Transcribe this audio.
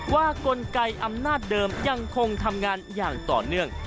กลไกอำนาจเดิมยังคงทำงานอย่างต่อเนื่อง